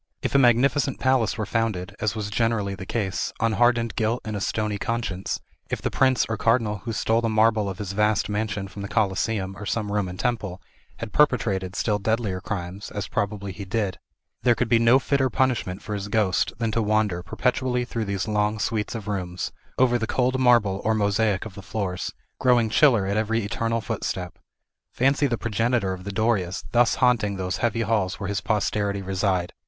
If a magnificent palace were founded, as was generally the case, on hardened guilt and a stony conscience, if the prince or cardinal who stole the marble of his vast mansion from the Coliseum, or some Roman temple, had perpetrated still deadlier crimes, as probably he did, there could be no fitter punishment for his ghost than to wander, perpetually through these long suites of rooms, over the cold marble or mosaic of the floors, growing chiller at every eternal footstep. Fancy the progenitor of the Dorias thus haunting those heavy halls where his posterity reside!